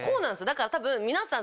だから多分皆さん